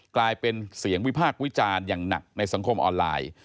กลายเป็นเสียงวิพากษ์วิจารณ์อย่างหนักในสังคมออนไลน์